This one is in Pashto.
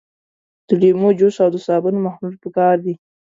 د لیمو جوس او د صابون محلول پکار دي.